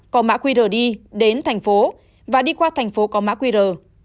có mã qr đi đến thành phố và đi qua thành phố có mã qr